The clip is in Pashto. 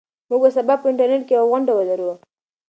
موږ به سبا په انټرنيټ کې یوه غونډه ولرو.